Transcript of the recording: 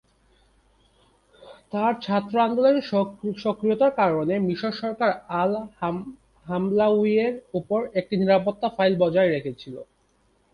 তার ছাত্র আন্দোলনের সক্রিয়তার কারণে, মিশর সরকার আল-হামলাউইয়ের উপর একটি নিরাপত্তা ফাইল বজায় রেখেছিল।